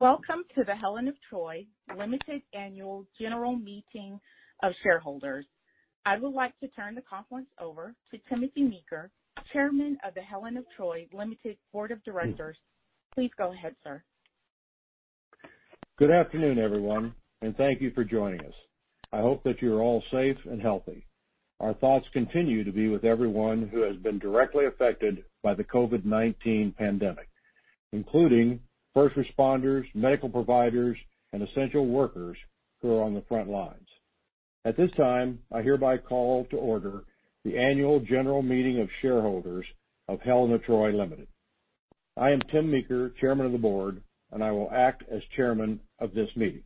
Welcome to the Helen of Troy Limited Annual General Meeting of Shareholders. I would like to turn the conference over to Timothy Meeker, Chairman of the Helen of Troy Limited Board of Directors. Please go ahead, sir. Good afternoon, everyone, and thank you for joining us. I hope that you are all safe and healthy. Our thoughts continue to be with everyone who has been directly affected by the COVID-19 pandemic, including first responders, medical providers, and essential workers who are on the front lines. At this time, I hereby call to order the Annual General Meeting of Shareholders of Helen of Troy Limited. I am Tim Meeker, Chairman of the Board, and I will act as chairman of this meeting.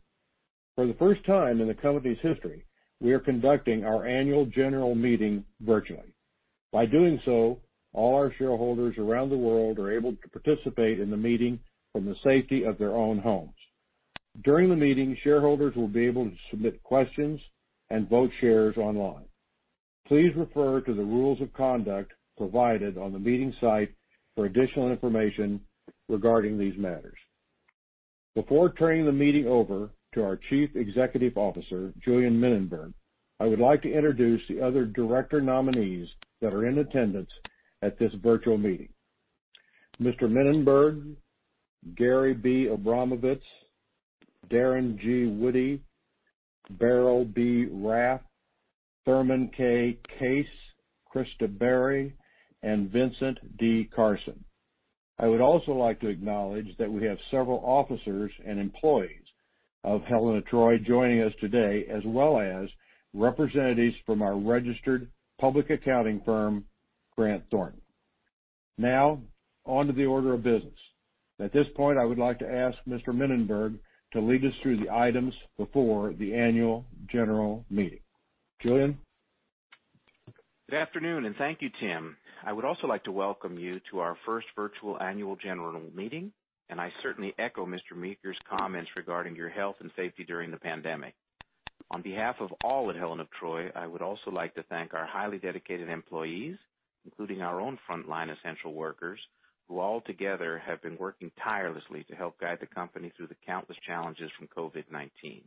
For the first time in the company's history, we are conducting our annual general meeting virtually. By doing so, all our shareholders around the world are able to participate in the meeting from the safety of their own homes. During the meeting, shareholders will be able to submit questions and vote shares online. Please refer to the rules of conduct provided on the meeting site for additional information regarding these matters. Before turning the meeting over to our Chief Executive Officer, Julien Mininberg, I would like to introduce the other director nominees that are in attendance at this virtual meeting. Mr. Mininberg, Gary B. Abromovitz, Darren G. Woody, Beryl B. Raff, Thurman K. Case, Krista Berry, and Vincent D. Carson. I would also like to acknowledge that we have several officers and employees of Helen of Troy joining us today, as well as representatives from our registered public accounting firm, Grant Thornton. Now, on to the order of business. At this point, I would like to ask Mr. Mininberg to lead us through the items before the annual general meeting. Julien. Good afternoon, and thank you, Tim. I would also like to welcome you to our first virtual annual general meeting, and I certainly echo Mr. Meeker's comments regarding your health and safety during the pandemic. On behalf of all at Helen of Troy, I would also like to thank our highly dedicated employees, including our own frontline essential workers, who altogether have been working tirelessly to help guide the company through the countless challenges from COVID-19.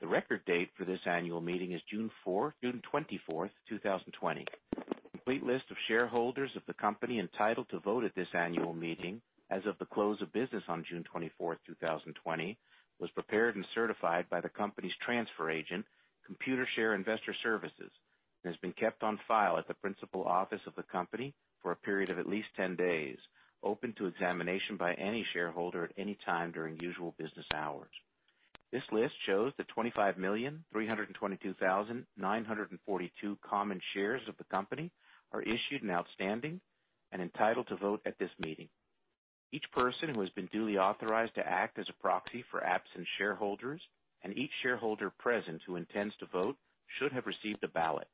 The record date for this annual meeting is June 24, 2020. A complete list of shareholders of the company entitled to vote at this annual meeting as of the close of business on June 24, 2020, was prepared and certified by the company's transfer agent, Computershare Investor Services, and has been kept on file at the principal office of the company for a period of at least 10 days, open to examination by any shareholder at any time during usual business hours. This list shows that 25,322,942 common shares of the company are issued and outstanding and entitled to vote at this meeting. Each person who has been duly authorized to act as a proxy for absent shareholders and each shareholder present who intends to vote should have received a ballot.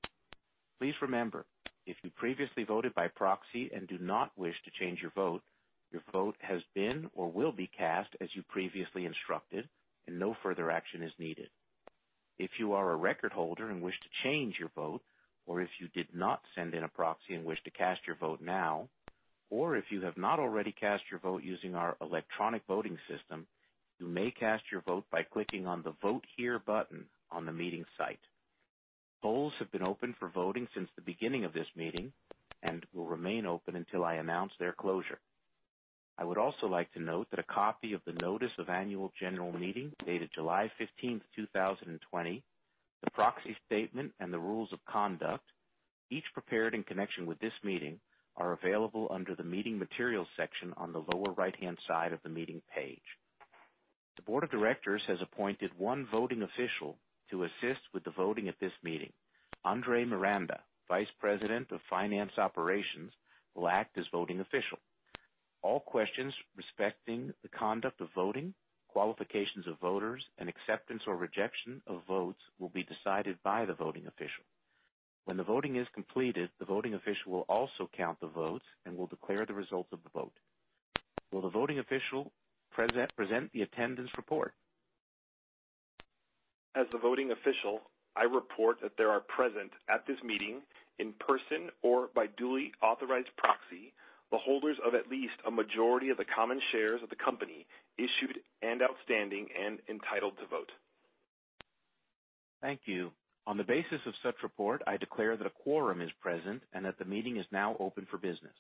Please remember, if you previously voted by proxy and do not wish to change your vote, your vote has been or will be cast as you previously instructed, and no further action is needed. If you are a record holder and wish to change your vote, or if you did not send in a proxy and wish to cast your vote now, or if you have not already cast your vote using our electronic voting system, you may cast your vote by clicking on the Vote Here button on the meeting site. Polls have been open for voting since the beginning of this meeting and will remain open until I announce their closure. I would also like to note that a copy of the Notice of Annual General Meeting dated July 15th, 2020, the proxy statement, and the rules of conduct, each prepared in connection with this meeting, are available under the Meeting Materials section on the lower right-hand side of the meeting page. The board of directors has appointed one voting official to assist with the voting at this meeting. Andre Miranda, Vice President of Finance Operations, will act as voting official. All questions respecting the conduct of voting, qualifications of voters, and acceptance or rejection of votes will be decided by the voting official. When the voting is completed, the voting official will also count the votes and will declare the results of the vote. Will the voting official present the attendance report? As the voting official, I report that there are present at this meeting, in person or by duly authorized proxy, the holders of at least a majority of the common shares of the company issued and outstanding and entitled to vote. Thank you. On the basis of such report, I declare that a quorum is present and that the meeting is now open for business.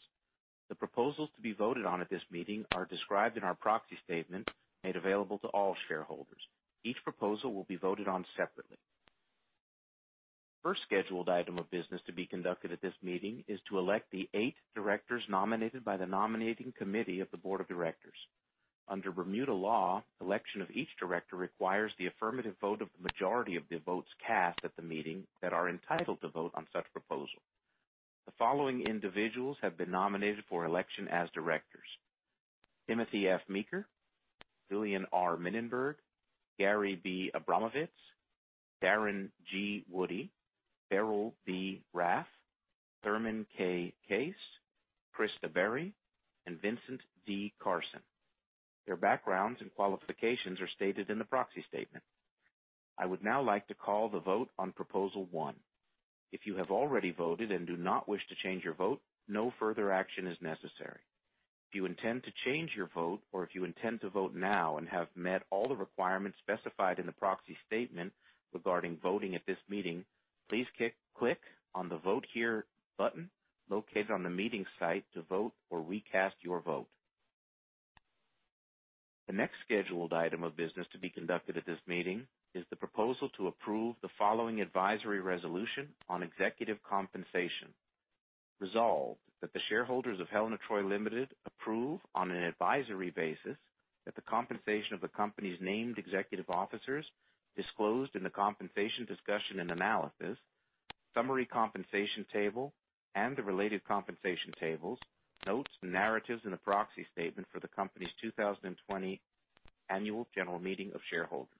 The proposals to be voted on at this meeting are described in our proxy statement made available to all shareholders. Each proposal will be voted on separately. First scheduled item of business to be conducted at this meeting is to elect the eight directors nominated by the nominating committee of the board of directors. Under Bermuda law, election of each director requires the affirmative vote of the majority of the votes cast at the meeting that are entitled to vote on such proposal. The following individuals have been nominated for election as directors: Timothy F. Meeker, Julien R. Mininberg, Gary B. Abromovitz, Darren G. Woody, Beryl B. Raff, Thurman K. Case, Krista Berry, and Vincent D. Carson. Their backgrounds and qualifications are stated in the proxy statement. I would now like to call the vote on Proposal one. If you have already voted and do not wish to change your vote, no further action is necessary. If you intend to change your vote or if you intend to vote now and have met all the requirements specified in the proxy statement regarding voting at this meeting, please click on the Vote Here button located on the meeting site to vote or recast your vote. The next scheduled item of business to be conducted at this meeting is the proposal to approve the following advisory resolution on executive compensation. Resolved, that the shareholders of Helen of Troy Limited approve, on an advisory basis, that the compensation of the company's named executive officers disclosed in the compensation discussion and analysis, summary compensation table, and the related compensation tables, notes, and narratives in the proxy statement for the company's 2020 annual general meeting of shareholders.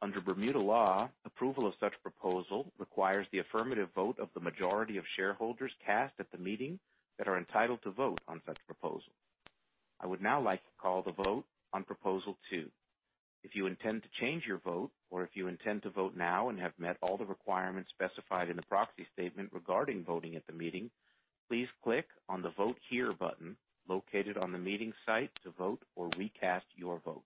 Under Bermuda law, approval of such proposal requires the affirmative vote of the majority of shareholders cast at the meeting that are entitled to vote on such proposal. I would now like to call the vote on Proposal 2. If you intend to change your vote or if you intend to vote now and have met all the requirements specified in the proxy statement regarding voting at the meeting, please click on the Vote Here button located on the meeting site to vote or recast your vote.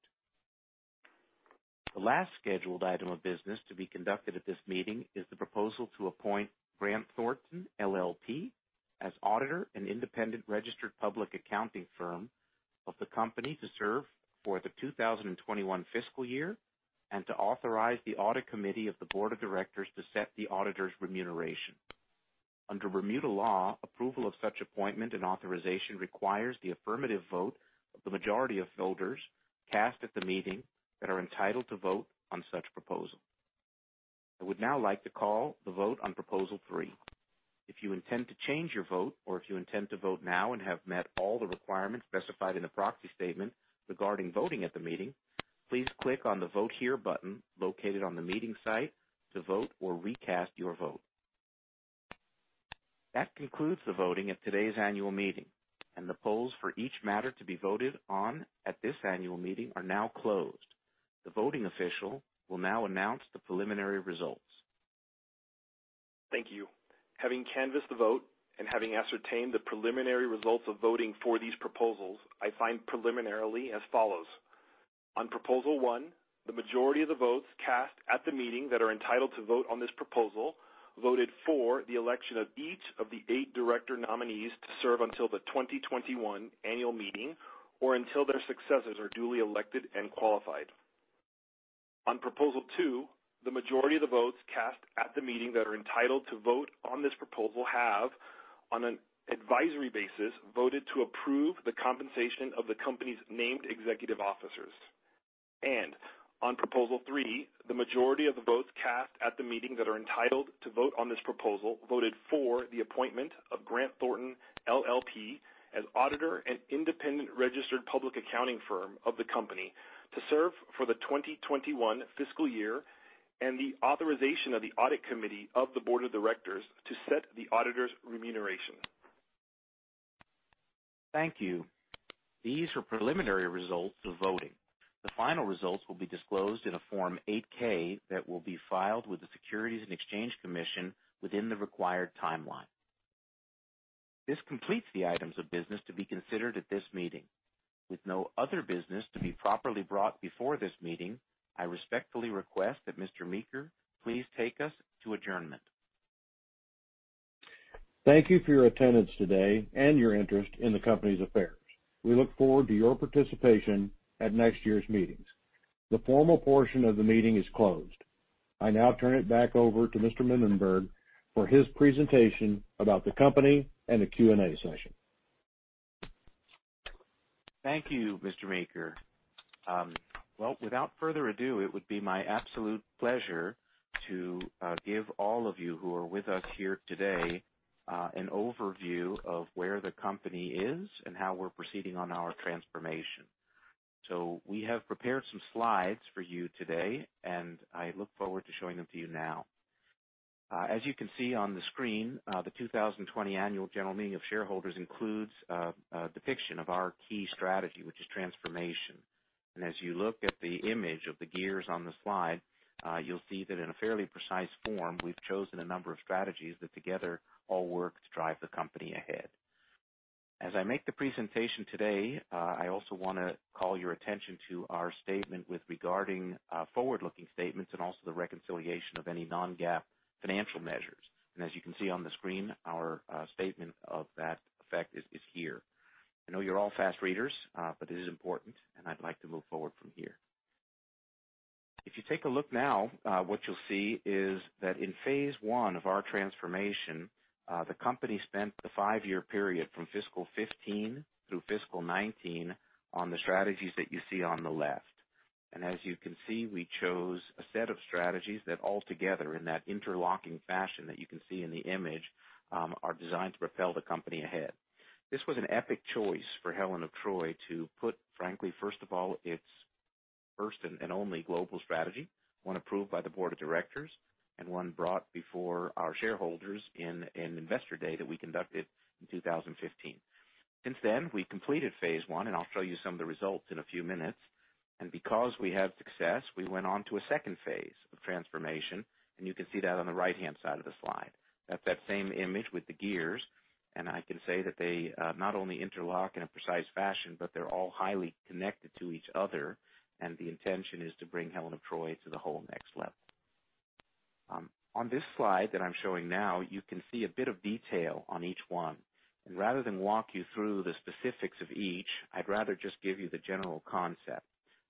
The last scheduled item of business to be conducted at this meeting is the proposal to appoint Grant Thornton LLP as auditor and independent registered public accounting firm of the company to serve for the 2021 fiscal year and to authorize the audit committee of the board of directors to set the auditor's remuneration. Under Bermuda law, approval of such appointment and authorization requires the affirmative vote of the majority of voters cast at the meeting that are entitled to vote on such proposal. I would now like to call the vote on Proposal 3. If you intend to change your vote or if you intend to vote now and have met all the requirements specified in the proxy statement regarding voting at the meeting, please click on the Vote Here button located on the meeting site to vote or recast your vote. That concludes the voting at today's annual meeting, and the polls for each matter to be voted on at this annual meeting are now closed. The voting official will now announce the preliminary results. Thank you. Having canvassed the vote and having ascertained the preliminary results of voting for these proposals, I find preliminarily as follows. On Proposal 1, the majority of the votes cast at the meeting that are entitled to vote on this proposal voted for the election of each of the eight director nominees to serve until the 2021 annual meeting or until their successors are duly elected and qualified. On Proposal 2, the majority of the votes cast at the meeting that are entitled to vote on this proposal have, on an advisory basis, voted to approve the compensation of the company's named executive officers. On Proposal 3, the majority of the votes cast at the meeting that are entitled to vote on this proposal voted for the appointment of Grant Thornton LLP as auditor and independent registered public accounting firm of the company to serve for the 2021 fiscal year and the authorization of the audit committee of the board of directors to set the auditor's remuneration. Thank you. These are preliminary results of voting. The final results will be disclosed in a Form 8-K that will be filed with the Securities and Exchange Commission within the required timeline. This completes the items of business to be considered at this meeting. With no other business to be properly brought before this meeting, I respectfully request that Mr. Meeker, please take us to adjournment. Thank you for your attendance today and your interest in the company's affairs. We look forward to your participation at next year's meetings. The formal portion of the meeting is closed. I now turn it back over to Mr. Mininberg for his presentation about the company and the Q&A session. Thank you, Mr. Meeker. Well, without further ado, it would be my absolute pleasure to give all of you who are with us here today an overview of where the company is and how we're proceeding on our transformation. We have prepared some slides for you today, and I look forward to showing them to you now. As you can see on the screen, the 2020 Annual General Meeting of Shareholders includes a depiction of our key strategy, which is transformation. As you look at the image of the gears on the slide, you'll see that in a fairly precise form, we've chosen a number of strategies that together all work to drive the company ahead. As I make the presentation today, I also want to call your attention to our statement with regarding forward-looking statements and also the reconciliation of any non-GAAP financial measures. As you can see on the screen, our statement of that effect is here. I know you're all fast readers, it is important, and I'd like to move forward from here. If you take a look now, what you'll see is that in phase I of our transformation, the company spent the five-year period from fiscal 2015 through fiscal 2019 on the strategies that you see on the left. As you can see, we chose a set of strategies that altogether, in that interlocking fashion that you can see in the image, are designed to propel the company ahead. This was an epic choice for Helen of Troy to put frankly, first of all, its first and only global strategy, one approved by the board of directors and one brought before our shareholders in an investor day that we conducted in 2015. Since then, we completed phase I, and I'll show you some of the results in a few minutes. Because we had success, we went on to a second phase of transformation, and you can see that on the right-hand side of the slide. That's that same image with the gears, and I can say that they not only interlock in a precise fashion, but they're all highly connected to each other, and the intention is to bring Helen of Troy to the whole next level. On this slide that I'm showing now, you can see a bit of detail on each one. Rather than walk you through the specifics of each, I'd rather just give you the general concept.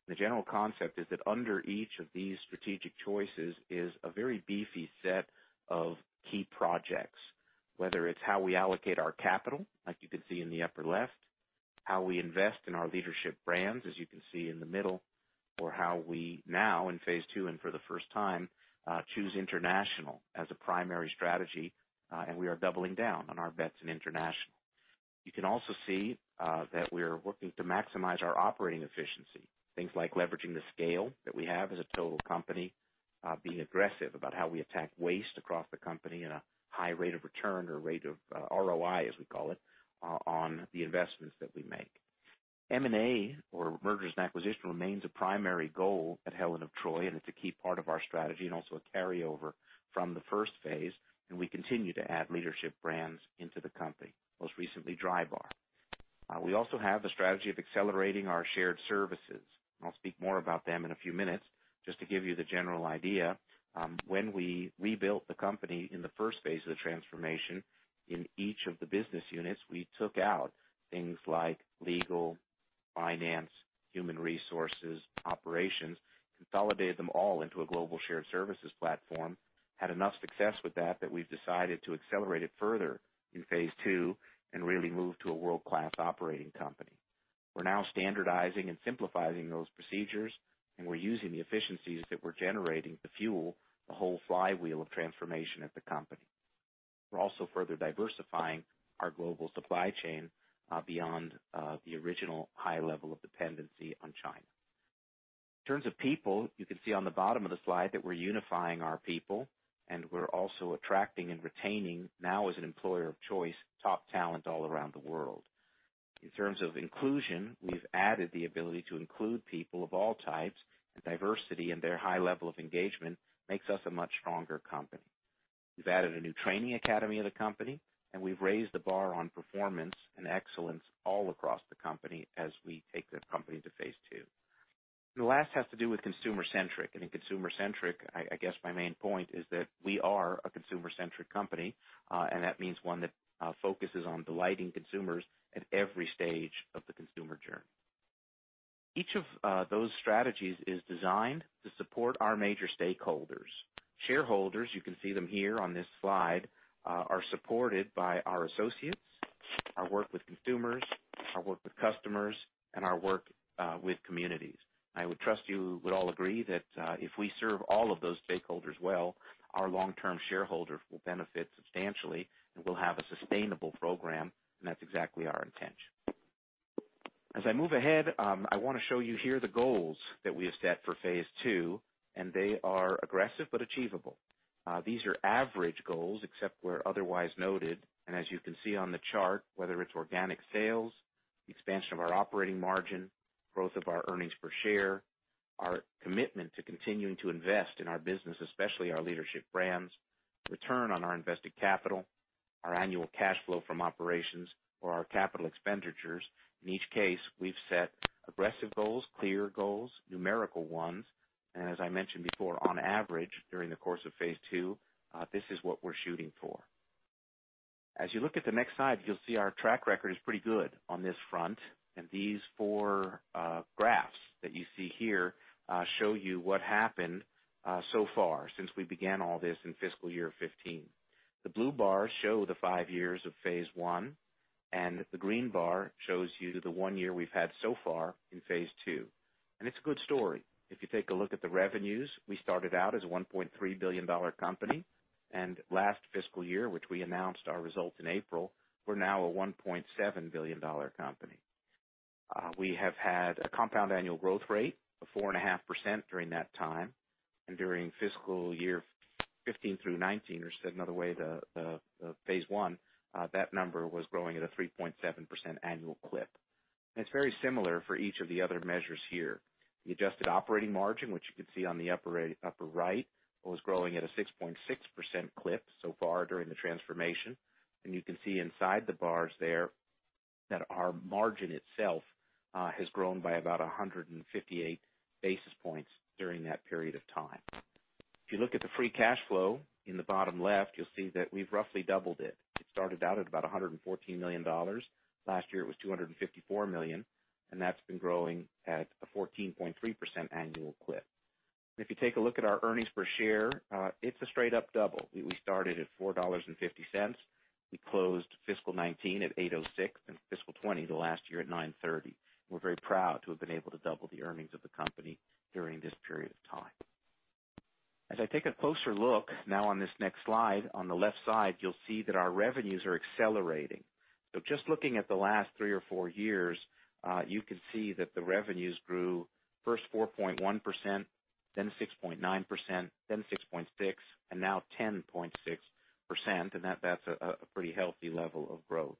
The general concept is that under each of these strategic choices is a very beefy set of key projects. Whether it's how we allocate our capital, like you can see in the upper left, how we invest in our leadership brands, as you can see in the middle, or how we now, in phase II and for the first time, choose international as a primary strategy, and we are doubling down on our bets in international. You can also see that we're working to maximize our operating efficiency, things like leveraging the scale that we have as a total company, being aggressive about how we attack waste across the company in a high rate of return or rate of ROI, as we call it, on the investments that we make. M&A, or mergers and acquisition, remains a primary goal at Helen of Troy. It's a key part of our strategy and also a carryover from the first phase. We continue to add leadership brands into the company, most recently Drybar. We also have the strategy of accelerating our shared services. I'll speak more about them in a few minutes. Just to give you the general idea, when we rebuilt the company in the first phase of the transformation, in each of the business units, we took out things like legal, finance, human resources, operations, consolidated them all into a global shared services platform. Had enough success with that that we've decided to accelerate it further in phase II and really move to a world-class operating company. We're now standardizing and simplifying those procedures, we're using the efficiencies that we're generating to fuel the whole flywheel of transformation at the company. We're also further diversifying our global supply chain beyond the original high level of dependency on China. In terms of people, you can see on the bottom of the slide that we're unifying our people, we're also attracting and retaining, now as an employer of choice, top talent all around the world. In terms of inclusion, we've added the ability to include people of all types, diversity and their high level of engagement makes us a much stronger company. We've added a new training academy at the company, we've raised the bar on performance and excellence all across the company as we take the company to phase II. The last has to do with consumer-centric. In consumer-centric, I guess my main point is that we are a consumer-centric company, and that means one that focuses on delighting consumers at every stage of the consumer journey. Each of those strategies is designed to support our major stakeholders. Shareholders, you can see them here on this slide, are supported by our associates, our work with consumers, our work with customers, and our work with communities. I would trust you would all agree that if we serve all of those stakeholders well, our long-term shareholders will benefit substantially, and we'll have a sustainable program, and that's exactly our intention. As I move ahead, I want to show you here the goals that we have set for phase II, and they are aggressive but achievable. These are average goals except where otherwise noted. As you can see on the chart, whether it's organic sales, expansion of our operating margin, growth of our earnings per share, our commitment to continuing to invest in our business, especially our leadership brands, return on our invested capital, our annual cash flow from operations or our capital expenditures. In each case, we've set aggressive goals, clear goals, numerical ones. As I mentioned before, on average, during the course of phase II, this is what we're shooting for. As you look at the next slide, you'll see our track record is pretty good on this front. These four graphs that you see here show you what happened so far since we began all this in FY 2015. The blue bars show the five years of phase I, and the green bar shows you the one year we've had so far in phase II. It's a good story. If you take a look at the revenues, we started out as a $1.3 billion company. Last fiscal year, which we announced our results in April, we're now a $1.7 billion company. We have had a compound annual growth rate of 4.5% during that time, and during fiscal year 2015 through 2019, or said another way, the phase I, that number was growing at a 3.7% annual clip. It's very similar for each of the other measures here. The adjusted operating margin, which you can see on the upper right, was growing at a 6.6% clip so far during the transformation. You can see inside the bars there that our margin itself has grown by about 158 basis points during that period of time. If you look at the free cash flow in the bottom left, you'll see that we've roughly doubled it. It started out at about $114 million. Last year, it was $254 million. That's been growing at a 14.3% annual clip. If you take a look at our earnings per share, it's a straight-up double. We started at $4.50. We closed fiscal 2019 at $8.06. Fiscal 2020, the last year, at $9.30. We're very proud to have been able to double the earnings of the company during this period of time. As I take a closer look now on this next slide, on the left side, you'll see that our revenues are accelerating. Just looking at the last three or four years, you can see that the revenues grew first 4.1%. Then 6.9%, then 6.6%, and now 10.6%. That's a pretty healthy level of growth.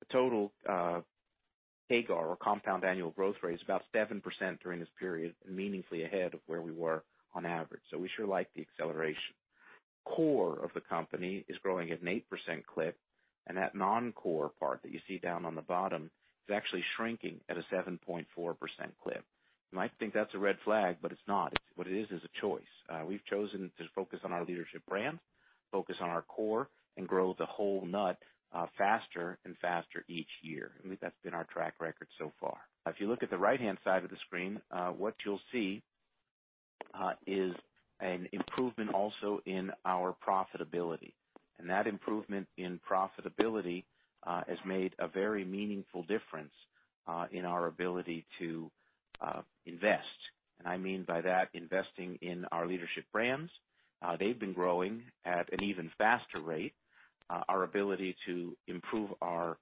The total CAGR, or compound annual growth rate, is about 7% during this period, meaningfully ahead of where we were on average. We sure like the acceleration. Core of the company is growing at an 8% clip, and that non-core part that you see down on the bottom is actually shrinking at a 7.4% clip. You might think that's a red flag, but it's not. What it is a choice. We've chosen to focus on our leadership brand, focus on our core, and grow the whole nut faster and faster each year. I believe that's been our track record so far. If you look at the right-hand side of the screen, what you'll see is an improvement also in our profitability. That improvement in profitability has made a very meaningful difference in our ability to invest. I mean by that, investing in our leadership brands. They've been growing at an even faster rate. Our ability to improve our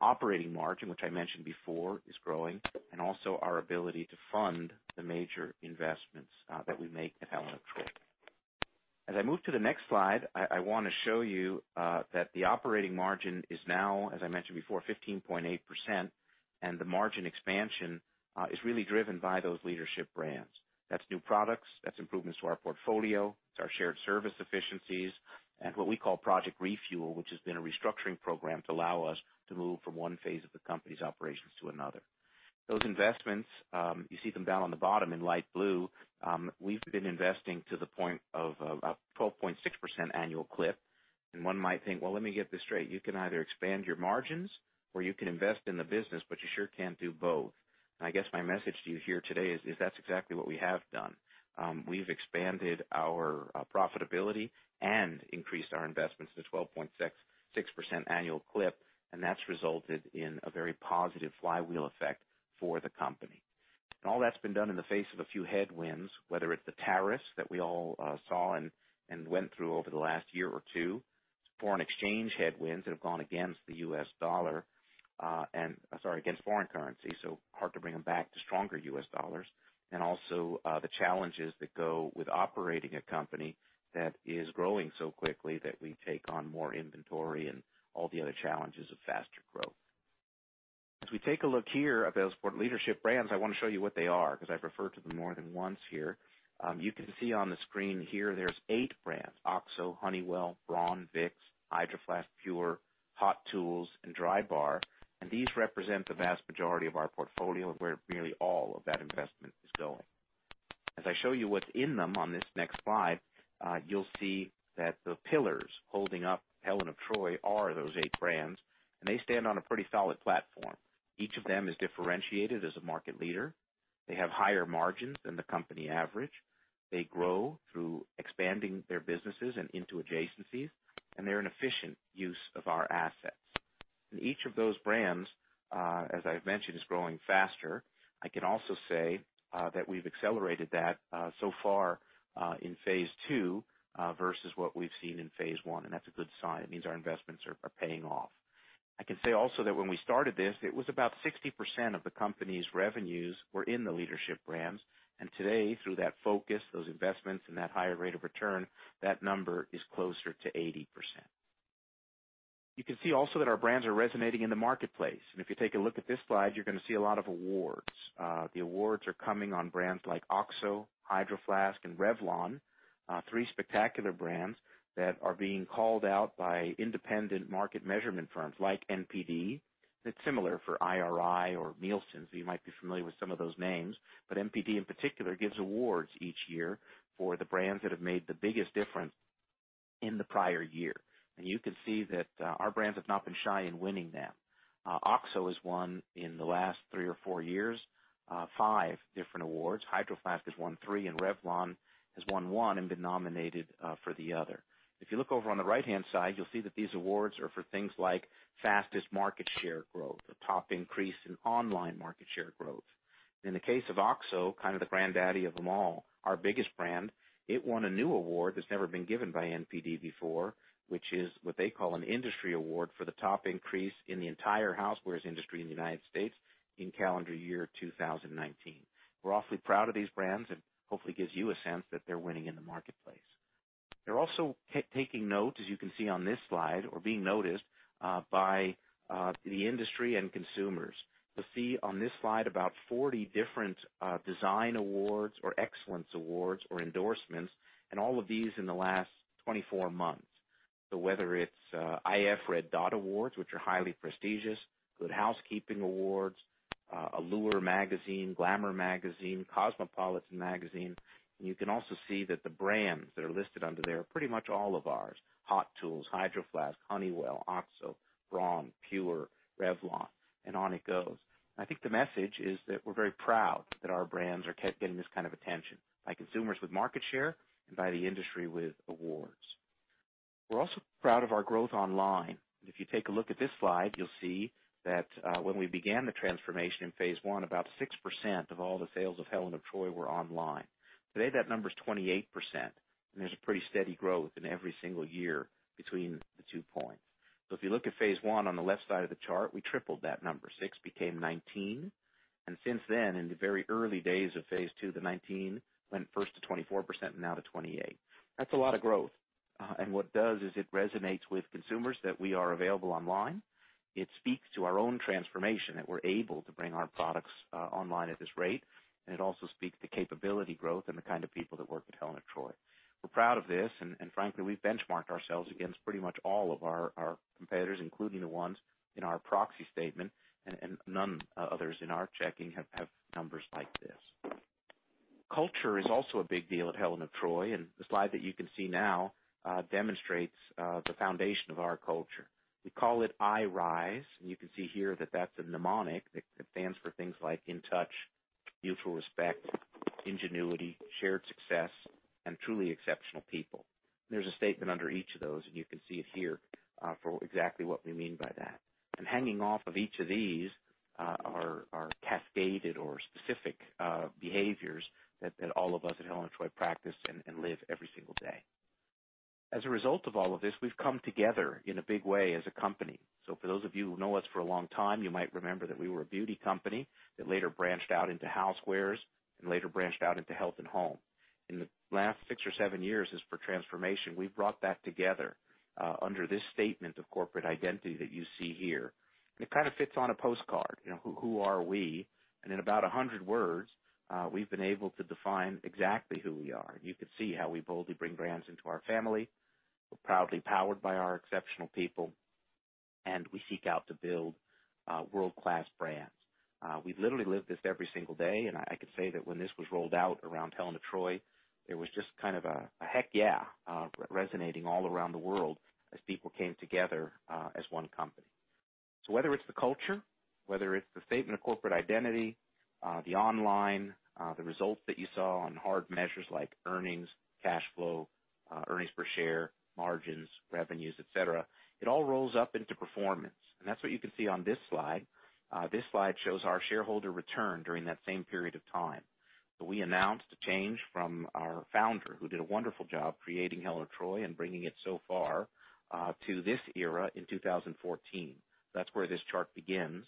operating margin, which I mentioned before, is growing, and also our ability to fund the major investments that we make at Helen of Troy. As I move to the next slide, I want to show you that the operating margin is now, as I mentioned before, 15.8%, and the margin expansion is really driven by those leadership brands. That's new products. That's improvements to our portfolio. It's our shared service efficiencies and what we call Project Refuel, which has been a restructuring program to allow us to move from one phase of the company's operations to another. Those investments, you see them down on the bottom in light blue. We've been investing to the point of a 12.6% annual clip. One might think, "Well, let me get this straight. You can either expand your margins or you can invest in the business, but you sure can't do both. I guess my message to you here today is that's exactly what we have done. We've expanded our profitability and increased our investments to 12.6% annual clip, that's resulted in a very positive flywheel effect for the company. All that's been done in the face of a few headwinds, whether it's the tariffs that we all saw and went through over the last year or two, foreign exchange headwinds that have gone against the US dollar, sorry, against foreign currency, so hard to bring them back to stronger US dollars. Also, the challenges that go with operating a company that is growing so quickly that we take on more inventory and all the other challenges of faster growth. As we take a look here at those leadership brands, I want to show you what they are, because I've referred to them more than once here. You can see on the screen here, there's eight brands, OXO, Honeywell, Braun, Vicks, Hydro Flask, Hot Tools, and Drybar, and these represent the vast majority of our portfolio and where nearly all of that investment is going. As I show you what's in them on this next slide, you'll see that the pillars holding up Helen of Troy are those eight brands, and they stand on a pretty solid platform. Each of them is differentiated as a market leader. They have higher margins than the company average. They grow through expanding their businesses and into adjacencies, and they're an efficient use of our assets. Each of those brands, as I've mentioned, is growing faster. I can also say that we've accelerated that so far in phase II versus what we've seen in phase I, and that's a good sign. It means our investments are paying off. I can say also that when we started this, it was about 60% of the company's revenues were in the leadership brands. Today, through that focus, those investments, and that higher rate of return, that number is closer to 80%. You can see also that our brands are resonating in the marketplace. If you take a look at this slide, you're going to see a lot of awards. The awards are coming on brands like OXO, Hydro Flask, and Revlon, three spectacular brands that are being called out by independent market measurement firms like NPD. It's similar for IRI or Nielsen, so you might be familiar with some of those names. NPD, in particular, gives awards each year for the brands that have made the biggest difference in the prior year. You can see that our brands have not been shy in winning them. OXO has won, in the last three or four years, five different awards. Hydro Flask has won three, and Revlon has won one and been nominated for the other. If you look over on the right-hand side, you'll see that these awards are for things like fastest market share growth, the top increase in online market share growth. In the case of OXO, kind of the granddaddy of them all, our biggest brand, it won a new award that's never been given by NPD before, which is what they call an industry award for the top increase in the entire housewares industry in the United States in calendar year 2019. We're awfully proud of these brands, and hopefully, it gives you a sense that they're winning in the marketplace. They're also taking note, as you can see on this slide, or being noticed by the industry and consumers. You'll see on this slide about 40 different design awards or excellence awards or endorsements, and all of these in the last 24 months. Whether it's iF Red Dot Awards, which are highly prestigious, Good Housekeeping Awards, Allure Magazine, Glamour Magazine, Cosmopolitan Magazine. You can also see that the brands that are listed under there are pretty much all of hot tools, Hydro Flask, Honeywell, OXO, Braun, PUR, Revlon, and on it goes. I think the message is that we're very proud that our brands are getting this kind of attention by consumers with market share and by the industry with awards. We're also proud of our growth online. If you take a look at this slide, you'll see that when we began the transformation in phase I, about 6% of all the sales of Helen of Troy were online. Today, that number is 28%, and there's a pretty steady growth in every single year between the two points. If you look at phase I on the left side of the chart, we tripled that number. 6% became 19%. Since then, in the very early days of phase II, the 19% went first to 24% and now to 28%. That's a lot of growth. What it does is it resonates with consumers that we are available online. It speaks to our own transformation, that we're able to bring our products online at this rate. It also speaks to capability growth and the kind of people that work at Helen of Troy. We're proud of this, and frankly, we've benchmarked ourselves against pretty much all of our competitors, including the ones in our proxy statement, and none others in our checking have numbers like this. Culture is also a big deal at Helen of Troy, and the slide that you can see now, demonstrates the foundation of our culture. We call it IRISE, and you can see here that is a mnemonic that stands for things like in touch, mutual respect, ingenuity, shared success, and truly exceptional people. There is a statement under each of those, and you can see it here, for exactly what we mean by that. Hanging off of each of these, are cascaded or specific behaviors that all of us at Helen of Troy practice and live every single day. Result of all of this, we've come together in a big way as a company. For those of you who know us for a long time, you might remember that we were a beauty company that later branched out into housewares and later branched out into Health and Home. In the last six or seven years, as per transformation, we've brought that together under this statement of corporate identity that you see here. It kind of fits on a postcard. Who are we? In about 100 words, we've been able to define exactly who we are. You can see how we boldly bring brands into our family. We're proudly powered by our exceptional people, and we seek out to build world-class brands. We literally live this every single day, and I can say that when this was rolled out around Helen of Troy, it was just kind of a heck yeah, resonating all around the world as people came together as one company. Whether it's the culture, whether it's the statement of corporate identity, the online, the results that you saw on hard measures like earnings, cash flow, earnings per share, margins, revenues, et cetera, it all rolls up into performance. That's what you can see on this slide. This slide shows our shareholder return during that same period of time. We announced a change from our founder, who did a wonderful job creating Helen of Troy and bringing it so far, to this era in 2014. That's where this chart begins.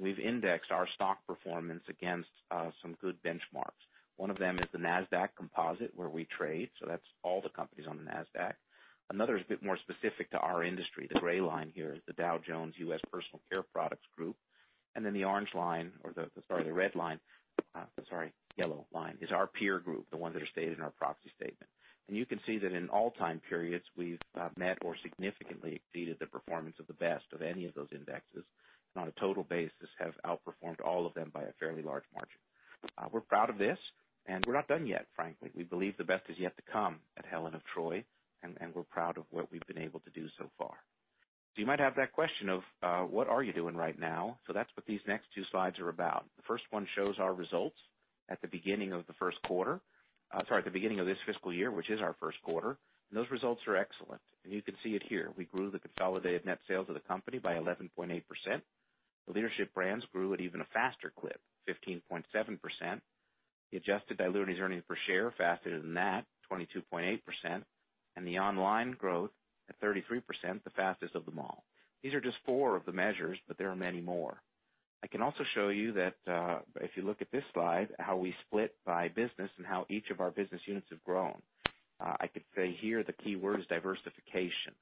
We've indexed our stock performance against some good benchmarks. One of them is the Nasdaq Composite, where we trade, that's all the companies on the Nasdaq. Another is a bit more specific to our industry. The gray line here is the Dow Jones U.S. Personal & Household Goods Index. The orange line, or the yellow line, is our peer group, the ones that are stated in our proxy statement. You can see that in all time periods, we've met or significantly exceeded the performance of the best of any of those indexes, on a total basis, have outperformed all of them by a fairly large margin. We're proud of this, we're not done yet, frankly. We believe the best is yet to come at Helen of Troy, we're proud of what we've been able to do so far. You might have that question of what are you doing right now? That's what these next two slides are about. The first one shows our results at the beginning of the first quarter, sorry, at the beginning of this fiscal year, which is our first quarter. Those results are excellent. You can see it here. We grew the consolidated net sales of the company by 11.8%. The leadership brands grew at even a faster clip, 15.7%. The adjusted diluted earnings per share, faster than that, 22.8%. The online growth at 33%, the fastest of them all. These are just four of the measures, but there are many more. I can also show you that, if you look at this slide, how we split by business and how each of our business units have grown. I could say here the key word is diversification.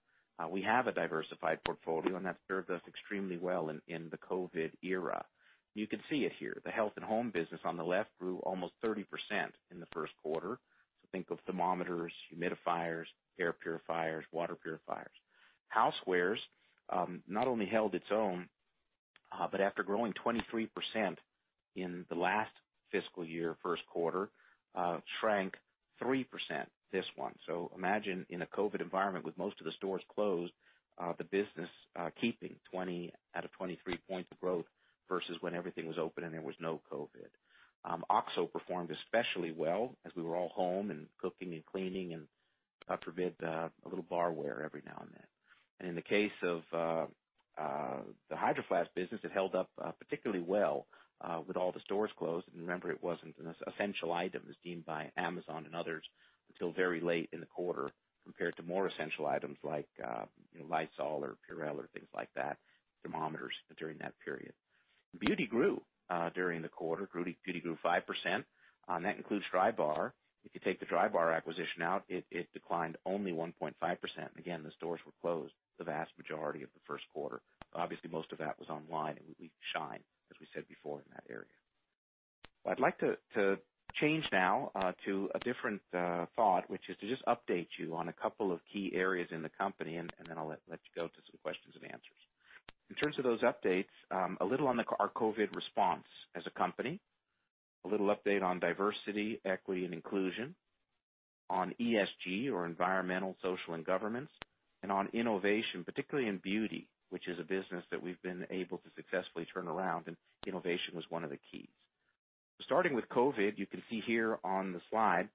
We have a diversified portfolio, that served us extremely well in the COVID era. You can see it here. The Health and Home business on the left grew almost 30% in the first quarter. Think of thermometers, humidifiers, air purifiers, water purifiers. Housewares not only held its own, but after growing 23% in the last fiscal year, first quarter, shrank 3% this one. Imagine in a COVID environment with most of the stores closed, the business keeping 20 out of 23 points of growth versus when everything was open and there was no COVID. OXO performed especially well as we were all home and cooking and cleaning and, God forbid, a little barware every now and then. In the case of the Hydro Flask business, it held up particularly well with all the stores closed. Remember, it wasn't an essential item as deemed by Amazon and others until very late in the quarter, compared to more essential items like Lysol or Purell or things like that, thermometers during that period. Beauty grew during the quarter. Beauty grew 5%. That includes Drybar. If you take the Drybar acquisition out, it declined only 1.5%. Again, the stores were closed the vast majority of the first quarter. Obviously, most of that was online, and we shine, as we said before, in that area. I'd like to change now to a different thought, which is to just update you on a couple of key areas in the company, and then I'll let you go to some questions-and-answers. In terms of those updates, a little on our COVID response as a company, a little update on diversity, equity, and inclusion, on ESG or environmental, social, and governance, on innovation, particularly in beauty, which is a business that we've been able to successfully turn around, and innovation was one of the keys. Starting with COVID, you can see here on the slide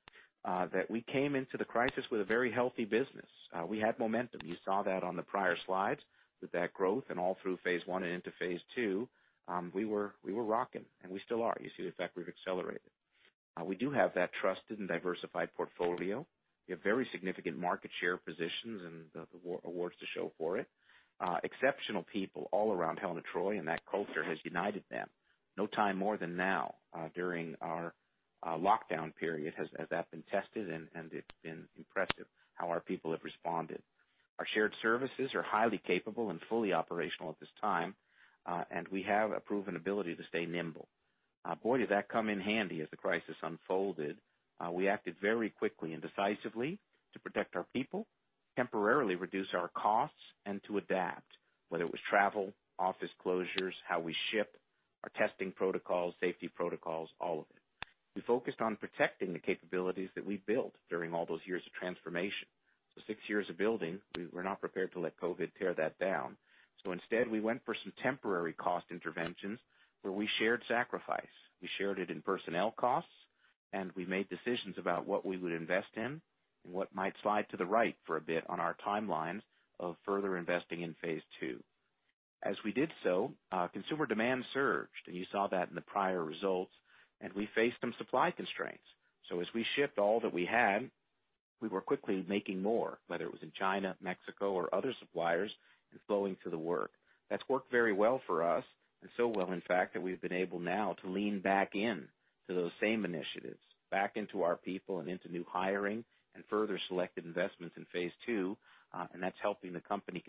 that we came into the crisis with a very healthy business. We had momentum. You saw that on the prior slides with that growth and all through phase I and into phase II. We were rocking, and we still are. You see, in fact, we've accelerated. We do have that trusted and diversified portfolio. We have very significant market share positions and the awards to show for it. Exceptional people all around Helen of Troy, and that culture has united them. No time more than now, during our lockdown period, has that been tested, and it's been impressive how our people have responded. Our shared services are highly capable and fully operational at this time, and we have a proven ability to stay nimble. Boy, did that come in handy as the crisis unfolded. We acted very quickly and decisively to protect our people, temporarily reduce our costs, and to adapt, whether it was travel, office closures, how we ship, our testing protocols, safety protocols, all of it. We focused on protecting the capabilities that we've built during all those years of transformation. Six years of building, we were not prepared to let COVID-19 tear that down. Instead, we went for some temporary cost interventions where we shared sacrifice. We shared it in personnel costs, and we made decisions about what we would invest in and what might slide to the right for a bit on our timelines of further investing in phase II. As we did so, consumer demand surged, and you saw that in the prior results, and we faced some supply constraints. As we shipped all that we had, we were quickly making more, whether it was in China, Mexico, or other suppliers, and flowing through the work. That's worked very well for us, and so well, in fact, that we've been able now to lean back in to those same initiatives, back into our people and into new hiring and further selected investments in phase II, and that's helping the company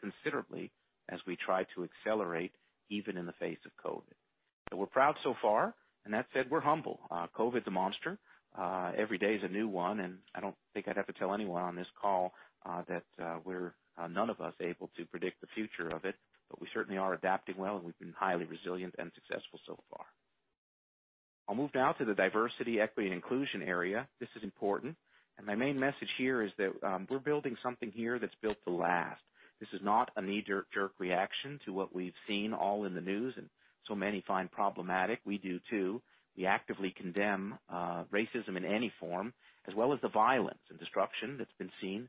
considerably as we try to accelerate, even in the face of COVID-19. We're proud so far, and that said, we're humble. COVID is a monster. Every day is a new one, I don't think I'd have to tell anyone on this call that none of us able to predict the future of it. We certainly are adapting well, and we've been highly resilient and successful so far. I'll move now to the diversity, equity, and inclusion area. This is important, my main message here is that we're building something here that's built to last. This is not a knee-jerk reaction to what we've seen all in the news and so many find problematic. We do, too. We actively condemn racism in any form, as well as the violence and destruction that's been seen.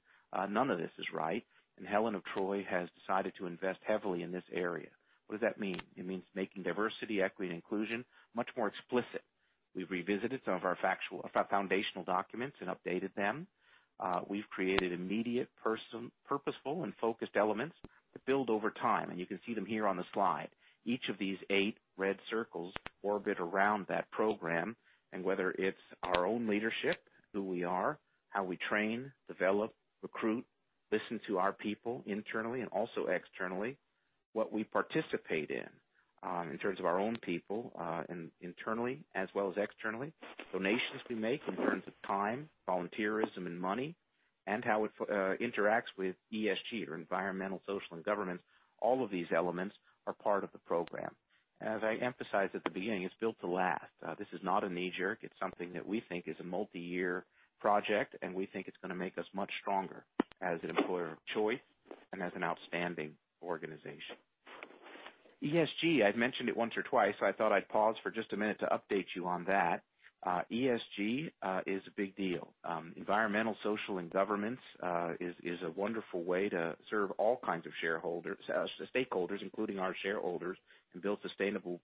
None of this is right, Helen of Troy has decided to invest heavily in this area. What does that mean? It means making diversity, equity, and inclusion much more explicit. We've revisited some of our foundational documents and updated them. We've created immediate, purposeful, and focused elements that build over time, and you can see them here on the slide. Each of these eight red circles orbit around that program, and whether it's our own leadership, who we are, how we train, develop, recruit, listen to our people internally and also externally. What we participate in terms of our own people, internally as well as externally, donations we make in terms of time, volunteerism, and money, and how it interacts with ESG or environmental, social, and governance. All of these elements are part of the program. As I emphasized at the beginning, it's built to last. This is not a knee-jerk. It's something that we think is a multi-year project, and we think it's going to make us much stronger as an employer of choice and as an outstanding organization. ESG, I've mentioned it once or twice. I thought I'd pause for just a minute to update you on that. ESG is a big deal. Environmental, social, and governance is a wonderful way to serve all kinds of shareholders as the stakeholders, including our shareholders, and build sustainable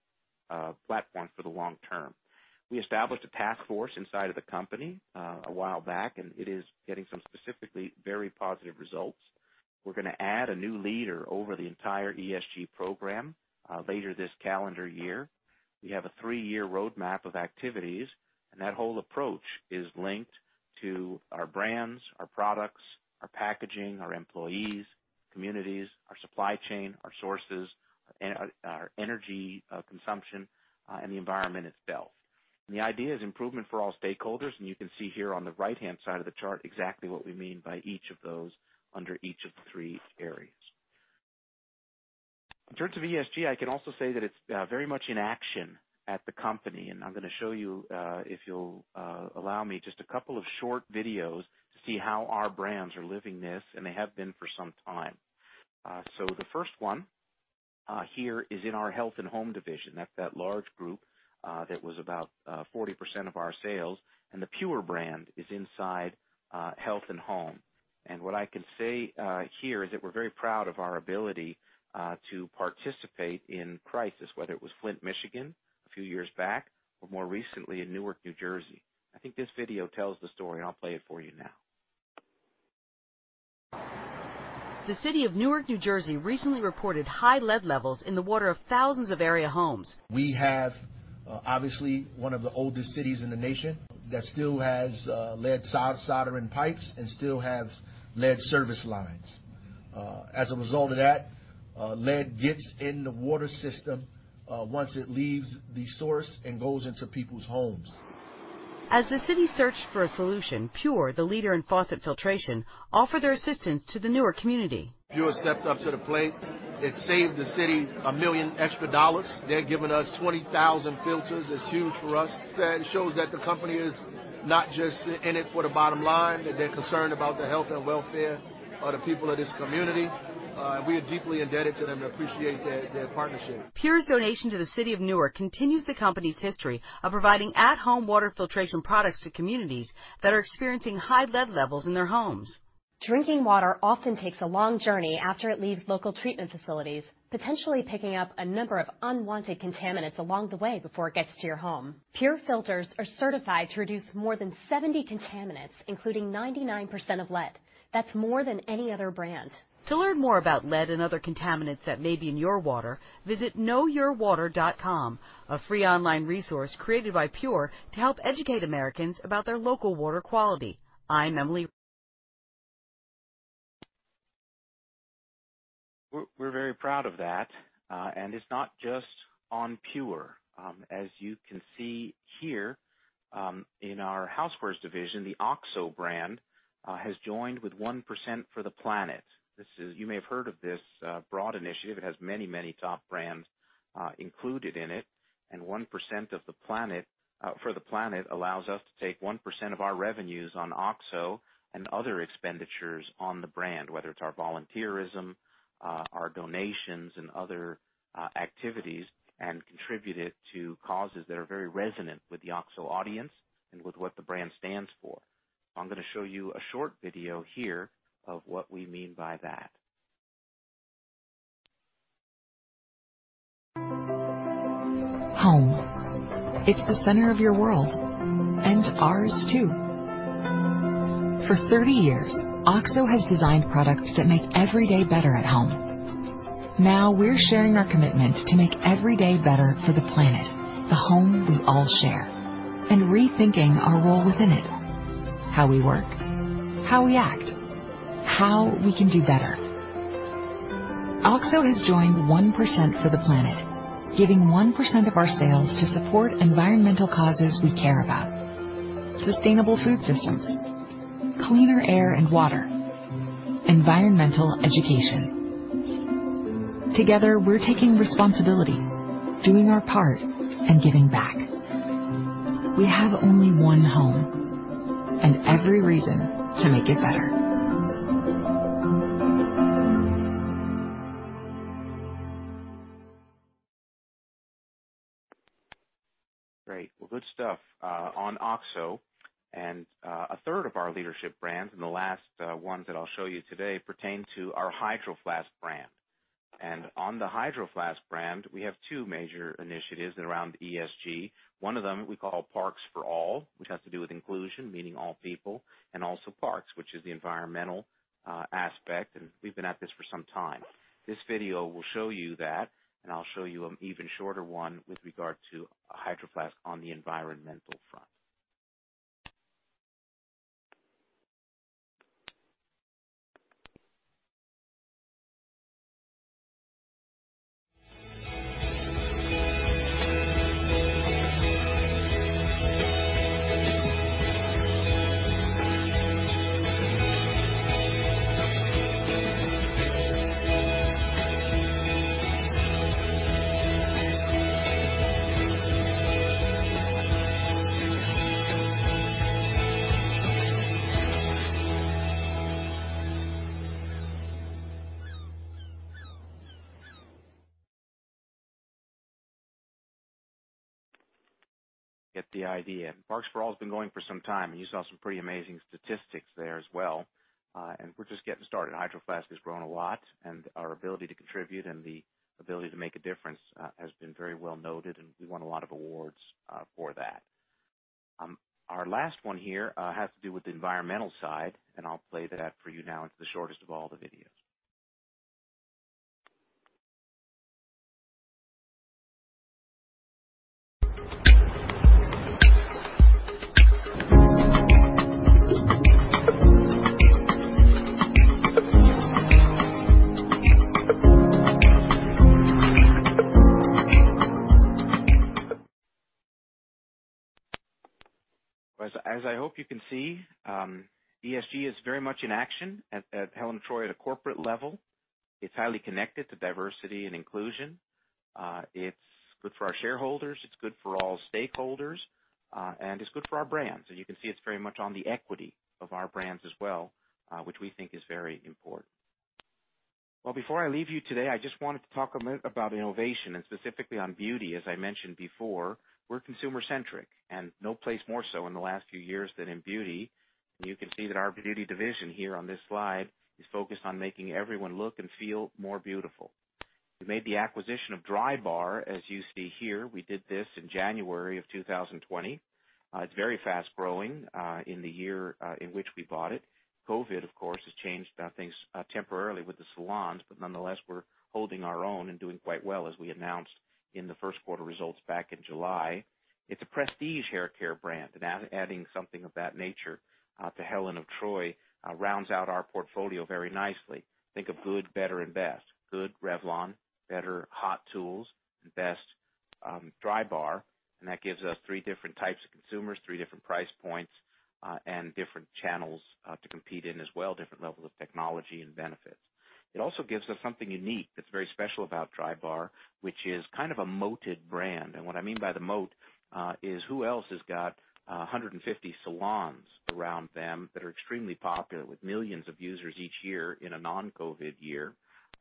platform for the long term. We established a task force inside of the company a while back, and it is getting some specifically very positive results. We're going to add a new leader over the entire ESG program later this calendar year. We have a three-year roadmap of activities. That whole approach is linked to our brands, our products, our packaging, our employees, communities, our supply chain, our sources, our energy consumption, and the environment itself. The idea is improvement for all stakeholders, and you can see here on the right-hand side of the chart exactly what we mean by each of those under each of the three areas. In terms of ESG, I can also say that it's very much in action at the company. I'm going to show you, if you'll allow me, just a couple of short videos to see how our brands are living this, and they have been for some time. The first one here is in our Health and Home division. That's that large group that was about 40% of our sales, and the PUR brand is inside Health and Home. What I can say here is that we're very proud of our ability to participate in crisis, whether it was Flint, Michigan, a few years back, or more recently in Newark, New Jersey. I think this video tells the story, and I'll play it for you now. The city of Newark, New Jersey, recently reported high lead levels in the water of thousands of area homes. We have, obviously, one of the oldest cities in the nation that still has lead soldering pipes and still has lead service lines. As a result of that, lead gets in the water system once it leaves the source and goes into people's homes. As the city searched for a solution, PUR, the leader in faucet filtration, offered their assistance to the Newark community. PUR stepped up to the plate. It saved the city $1 million extra. They're giving us 20,000 filters. That's huge for us. That shows that the company is not just in it for the bottom line, that they're concerned about the health and welfare of the people of this community. We are deeply indebted to them and appreciate their partnership. PUR's donation to the city of Newark continues the company's history of providing at-home water filtration products to communities that are experiencing high lead levels in their homes. Drinking water often takes a long journey after it leaves local treatment facilities, potentially picking up a number of unwanted contaminants along the way before it gets to your home. PUR filters are certified to reduce more than 70 contaminants, including 99% of lead. That's more than any other brand. To learn more about lead and other contaminants that may be in your water, visit knowyourwater.com, a free online resource created by PUR to help educate Americans about their local water quality. I'm Emily. We're very proud of that. It's not just on PUR. As you can see here, in our housewares division, the OXO brand has joined with 1% for the Planet. You may have heard of this broad initiative. It has many top brands included in it. 1% for the Planet allows us to take 1% of our revenues on OXO and other expenditures on the brand, whether it's our volunteerism, our donations, and other activities, and contribute it to causes that are very resonant with the OXO audience and with what the brand stands for. I'm going to show you a short video here of what we mean by that. Home. It's the center of your world and ours too. For 30 years, OXO has designed products that make every day better at home. Now we're sharing our commitment to make every day better for the planet, the home we all share, and rethinking our role within it, how we work, how we act, how we can do better. OXO has joined 1% for the Planet, giving 1% of our sales to support environmental causes we care about. Sustainable food systems, cleaner air and water, environmental education. Together, we're taking responsibility, doing our part, and giving back. We have only one home and every reason to make it better. Great. Well, good stuff on OXO. A third of our leadership brands, and the last ones that I'll show you today, pertain to our Hydro Flask brand. On the Hydro Flask brand, we have two major initiatives around ESG. One of them we call Parks for All, which has to do with inclusion, meaning all people, and also parks, which is the environmental aspect, and we've been at this for some time. This video will show you that, and I'll show you an even shorter one with regard to Hydro Flask on the environmental front. You get the idea. Parks for All has been going for some time, and you saw some pretty amazing statistics there as well. We're just getting started. Hydro Flask has grown a lot, and our ability to contribute and the ability to make a difference has been very well noted, and we won a lot of awards for that. Our last one here has to do with the environmental side, and I'll play that for you now. It's the shortest of all the videos. As I hope you can see, ESG is very much in action at Helen of Troy at a corporate level. It's highly connected to diversity and inclusion. It's good for our shareholders, it's good for all stakeholders, and it's good for our brands. You can see it's very much on the equity of our brands as well, which we think is very important. Well, before I leave you today, I just wanted to talk a minute about innovation, and specifically on beauty. As I mentioned before, we're consumer-centric, and no place more so in the last few years than in beauty. You can see that our beauty division here on this slide is focused on making everyone look and feel more beautiful. We made the acquisition of Drybar, as you see here. We did this in January of 2020. It's very fast-growing in the year in which we bought it. COVID, of course, has changed things temporarily with the salons. Nonetheless, we're holding our own and doing quite well as we announced in the first quarter results back in July. It's a prestige haircare brand, and adding something of that nature to Helen of Troy rounds out our portfolio very nicely. Think of good, better and best. Good, Revlon. Hot Tools. best, Drybar. That gives us three different types of consumers, three different price points, and different channels to compete in as well, different levels of technology and benefits. It also gives us something unique that's very special about Drybar, which is kind of a moated brand. What I mean by the moat, is who else has got 150 salons around them that are extremely popular with millions of users each year in a non-COVID year,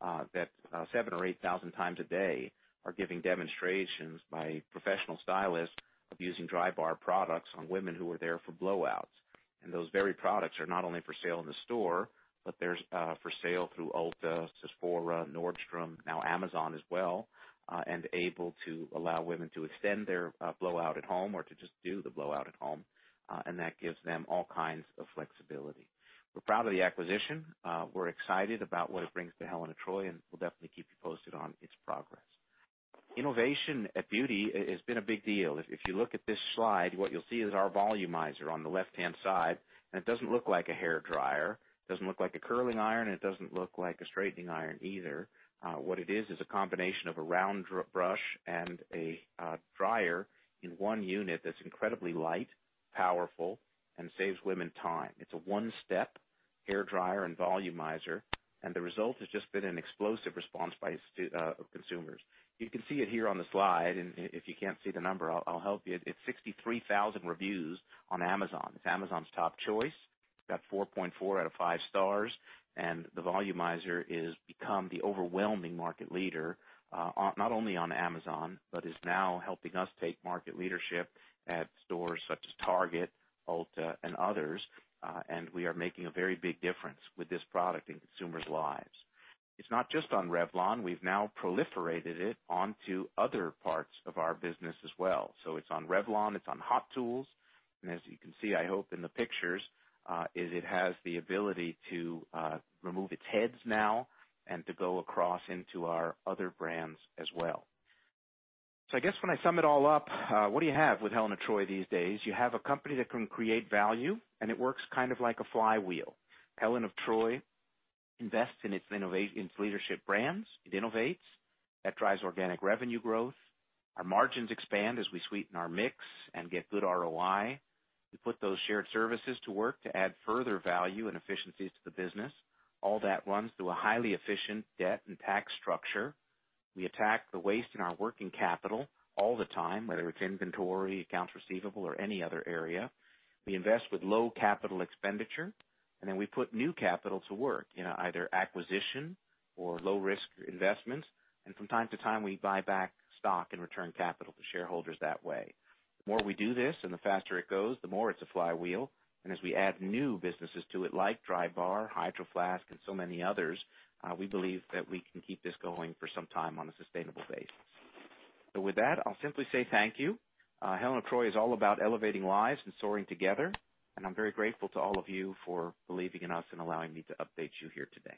that 7000 ot 8000 times a day are giving demonstrations by professional stylists of using Drybar products on women who are there for blowouts? Those very products are not only for sale in the store, but they're for sale through Ulta, Sephora, Nordstrom, now Amazon as well, and able to allow women to extend their blowout at home or to just do the blowout at home. That gives them all kinds of flexibility. We're proud of the acquisition. We're excited about what it brings to Helen of Troy, and we'll definitely keep you posted on its progress. Innovation at beauty has been a big deal. If you look at this slide, what you'll see is our Volumizer on the left-hand side, and it doesn't look like a hair dryer, it doesn't look like a curling iron, and it doesn't look like a straightening iron either. What it is a combination of a round brush and a dryer in one unit that's incredibly light, powerful, and saves women time. It's a one-step hair dryer and volumizer, and the result has just been an explosive response by consumers. You can see it here on the slide, and if you can't see the number, I'll help you. It's 63,000 reviews on Amazon. It's Amazon's top choice. It's got 4.4 out of five stars, and the Volumizer has become the overwhelming market leader, not only on Amazon, but is now helping us take market leadership at stores such as Target, Ulta, and others. We are making a very big difference with this product in consumers' lives. It's not just on Revlon. We've now proliferated it onto other parts of our business as well. It's on Revlon, it's Hot Tools, and as you can see, I hope, in the pictures, is it has the ability to remove its heads now and to go across into our other brands as well. I guess when I sum it all up, what do you have with Helen of Troy these days? You have a company that can create value, and it works kind of like a flywheel. Helen of Troy invests in its leadership brands. It innovates. That drives organic revenue growth. Our margins expand as we sweeten our mix and get good ROI. We put those shared services to work to add further value and efficiencies to the business. All that runs through a highly efficient debt and tax structure. We attack the waste in our working capital all the time, whether it's inventory, accounts receivable, or any other area. We invest with low capital expenditure, and then we put new capital to work in either acquisition or low-risk investments, and from time to time, we buy back stock and return capital to shareholders that way. The more we do this and the faster it goes, the more it's a flywheel. As we add new businesses to it, like Drybar, Hydro Flask, and so many others, we believe that we can keep this going for some time on a sustainable basis. With that, I'll simply say thank you. Helen of Troy is all about elevating lives and soaring together, and I'm very grateful to all of you for believing in us and allowing me to update you here today.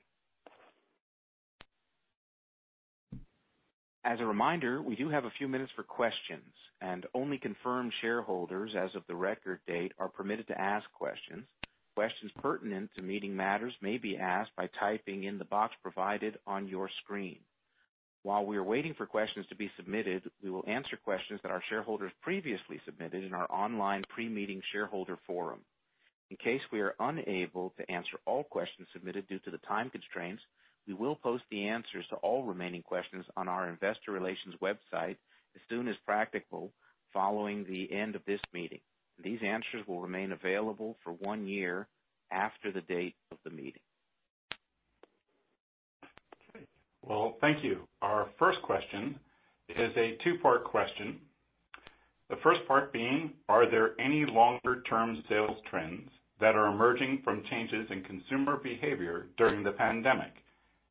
As a reminder, we do have a few minutes for questions, and only confirmed shareholders as of the record date are permitted to ask questions. Questions pertinent to meeting matters may be asked by typing in the box provided on your screen. While we are waiting for questions to be submitted, we will answer questions that our shareholders previously submitted in our online pre-meeting shareholder forum. In case we are unable to answer all questions submitted due to the time constraints, we will post the answers to all remaining questions on our investor relations website as soon as practical following the end of this meeting. These answers will remain available for one year after the date of the meeting. Well, thank you. Our first question is a two-part question. The first part being, are there any longer-term sales trends that are emerging from changes in consumer behavior during the pandemic?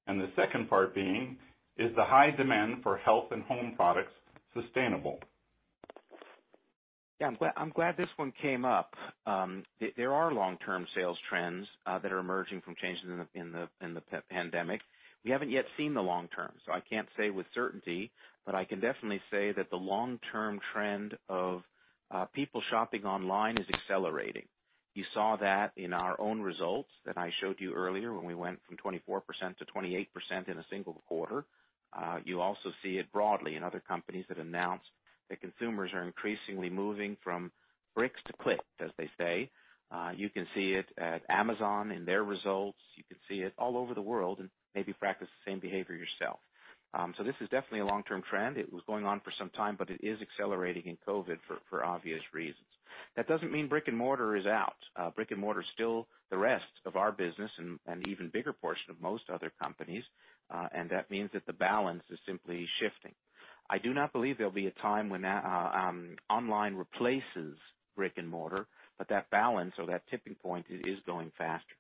The second part being, is the high demand for Health and Home products sustainable? Yeah. I'm glad this one came up. There are long-term sales trends that are emerging from changes in the pandemic. We haven't yet seen the long term, so I can't say with certainty, but I can definitely say that the long-term trend of people shopping online is accelerating. You saw that in our own results that I showed you earlier, when we went from 24% to 28% in a single quarter. You also see it broadly in other companies that announced that consumers are increasingly moving from bricks to click, as they say. You can see it at Amazon in their results. You can see it all over the world and maybe practice the same behavior yourself. This is definitely a long-term trend. It was going on for some time, but it is accelerating in COVID for obvious reasons. That doesn't mean brick and mortar is out. Brick and mortar is still the rest of our business and an even bigger portion of most other companies, and that means that the balance is simply shifting. I do not believe there'll be a time when online replaces brick and mortar, but that balance or that tipping point is going faster.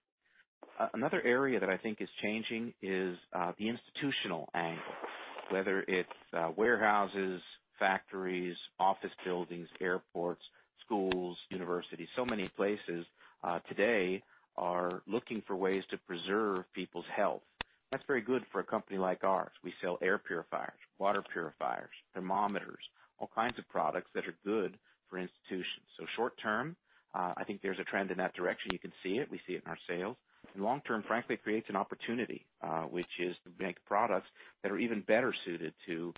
Another area that I think is changing is the institutional angle. Whether it's warehouses, factories, office buildings, airports, schools, universities, so many places today are looking for ways to preserve people's health. That's very good for a company like ours. We sell air purifiers, water purifiers, thermometers, all kinds of products that are good for institutions. Short term, I think there's a trend in that direction. You can see it. We see it in our sales. Long term, frankly, creates an opportunity, which is to make products that are even better suited to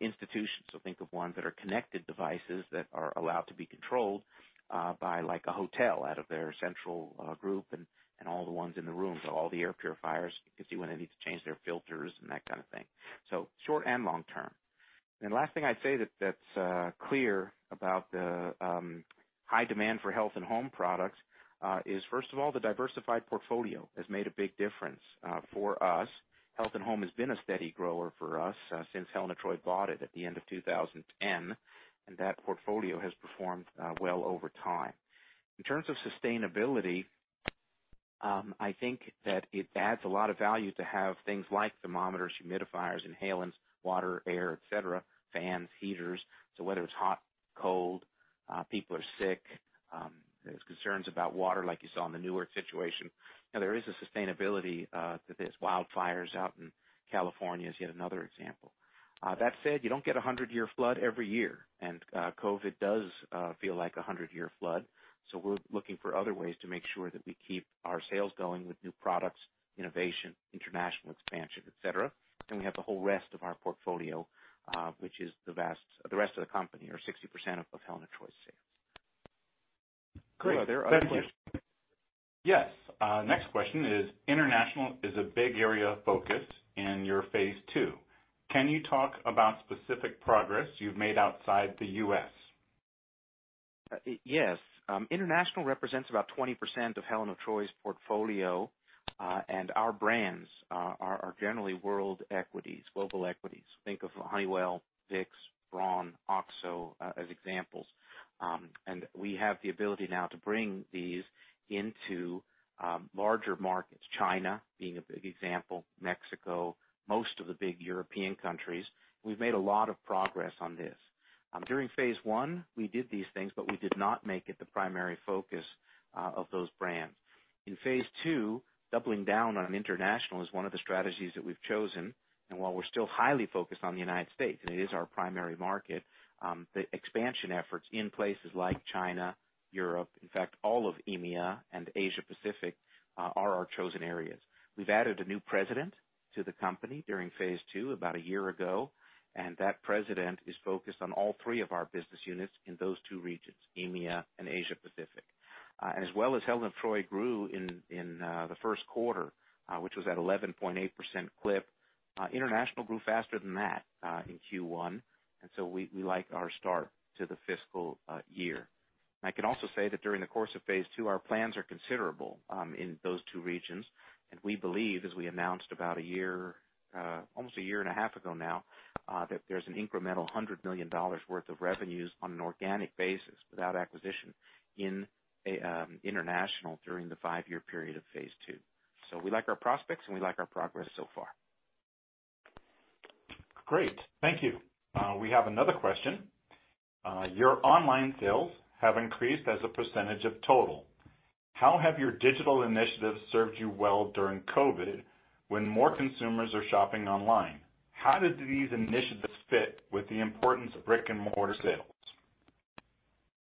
institutions. Think of ones that are connected devices that are allowed to be controlled by a hotel out of their central group and all the ones in the room. All the air purifiers, you can see when they need to change their filters and that kind of thing. Short and long term. Last thing I'd say that's clear about the high demand for Health and Home products is, first of all, the diversified portfolio has made a big difference for us. Health and Home has been a steady grower for us since Helen of Troy bought it at the end of 2010, and that portfolio has performed well over time. In terms of sustainability I think that it adds a lot of value to have things like thermometers, humidifiers, inhalants, water, air, et cetera, fans, heaters. Whether it's hot, cold, people are sick, there's concerns about water like you saw in the Newark situation. Now there is a sustainability to this. Wildfires out in California is yet another example. That said, you don't get a 100-year flood every year, and COVID does feel like a 100-year flood, so we're looking for other ways to make sure that we keep our sales going with new products, innovation, international expansion, et cetera. We have the whole rest of our portfolio, which is the rest of the company, or 60% of Helen of Troy sales. Great. Thank you. Are there other questions? Yes. Next question is: International is a big area of focus in your phase II. Can you talk about specific progress you've made outside the U.S.? Yes. International represents about 20% of Helen of Troy's portfolio. Our brands are generally world equities, global equities. Think of Honeywell, Vicks, Braun, OXO as examples. We have the ability now to bring these into larger markets, China being a big example, Mexico, most of the big European countries. We've made a lot of progress on this. During phase I, we did these things, but we did not make it the primary focus of those brands. In phase II, doubling down on international is one of the strategies that we've chosen, and while we're still highly focused on the United States, and it is our primary market, the expansion efforts in places like China, Europe, in fact, all of EMEA and Asia Pacific, are our chosen areas. We've added a new president to the company during phase II about a year ago. That president is focused on all three of our business units in those two regions, EMEA and Asia Pacific. As well as Helen of Troy grew in the first quarter, which was at 11.8% clip, international grew faster than that in Q1. We like our start to the fiscal year. I can also say that during the course of phase II, our plans are considerable in those two regions. We believe, as we announced about almost a year and a half ago now, that there's an incremental $100 million worth of revenues on an organic basis without acquisition in international during the five-year period of phase II. We like our prospects, and we like our progress so far. Great. Thank you. We have another question. Your online sales have increased as a percentage of total. How have your digital initiatives served you well during COVID when more consumers are shopping online? How do these initiatives fit with the importance of brick-and-mortar sales?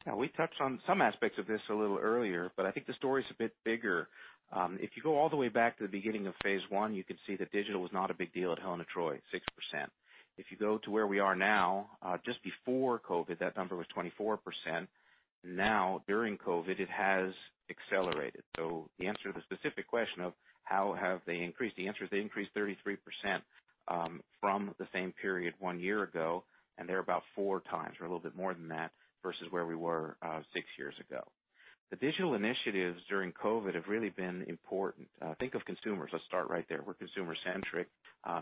Yeah, we touched on some aspects of this a little earlier. I think the story's a bit bigger. If you go all the way back to the beginning of phase I, you could see that digital was not a big deal at Helen of Troy, 6%. If you go to where we are now, just before COVID, that number was 24%. During COVID, it has accelerated. The answer to the specific question of how have they increased, the answer is they increased 33% from the same period one year ago, and they're about 4x, or a little bit more than that, versus where we were six years ago. The digital initiatives during COVID have really been important. Think of consumers. Let's start right there. We're consumer-centric.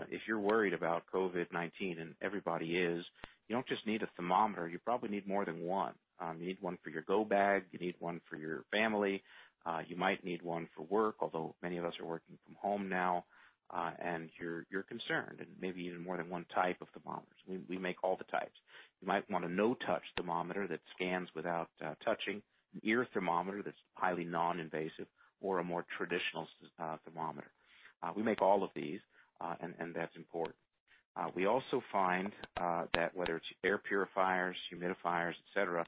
If you're worried about COVID-19, and everybody is, you don't just need a thermometer, you probably need more than one. You need one for your go bag. You need one for your family. You might need one for work, although many of us are working from home now, and you're concerned. Maybe even more than one type of thermometers. We make all the types. You might want a no-touch thermometer that scans without touching, an ear thermometer that's highly non-invasive, or a more traditional thermometer. We make all of these, and that's important. We also find that whether it's air purifiers, humidifiers, et cetera,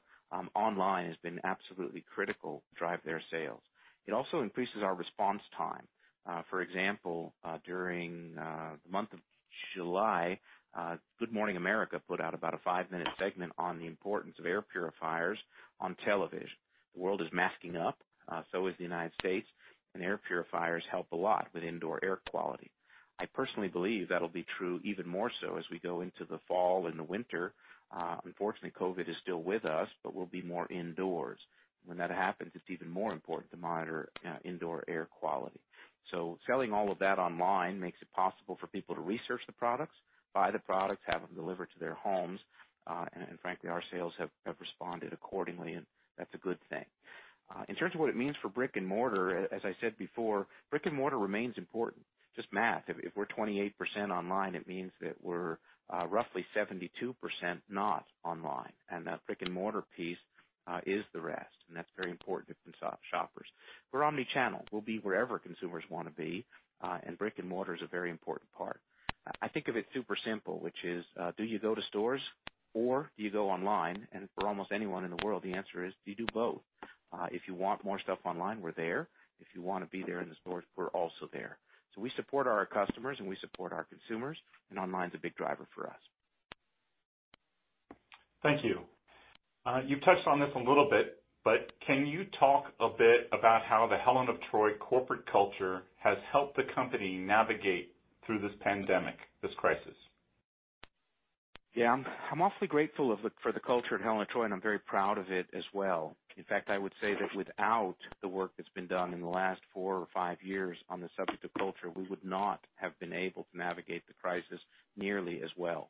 online has been absolutely critical to drive their sales. It also increases our response time. For example, during the month of July, "Good Morning America" put out about a five-minute segment on the importance of air purifiers on television. The world is masking up, so is the United States, and air purifiers help a lot with indoor air quality. I personally believe that'll be true even more so as we go into the fall and the winter. Unfortunately, COVID is still with us, but we'll be more indoors. When that happens, it's even more important to monitor indoor air quality. Selling all of that online makes it possible for people to research the products, buy the products, have them delivered to their homes. Frankly, our sales have responded accordingly, and that's a good thing. In terms of what it means for brick and mortar, as I said before, brick and mortar remains important. Just math. If we're 28% online, it means that we're roughly 72% not online, and that brick and mortar piece is the rest, and that's very important to shoppers. We're omni-channel. We'll be wherever consumers want to be. Brick and mortar is a very important part. I think of it super simple, which is, do you go to stores or do you go online? For almost anyone in the world, the answer is you do both. If you want more stuff online, we're there. If you want to be there in the stores, we're also there. We support our customers, and we support our consumers, and online's a big driver for us. Thank you. You've touched on this a little bit, but can you talk a bit about how the Helen of Troy corporate culture has helped the company navigate through this pandemic, this crisis? Yeah, I'm awfully grateful for the culture at Helen of Troy, and I'm very proud of it as well. In fact, I would say that without the work that's been done in the last four or five years on the subject of culture, we would not have been able to navigate the crisis nearly as well.